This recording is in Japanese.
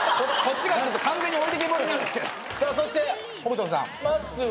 そして北斗さん。